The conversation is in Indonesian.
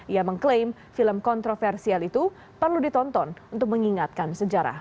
ia mengklaim film kontroversial itu perlu ditonton untuk mengingatkan sejarah